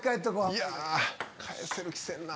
いや返せる気せんな。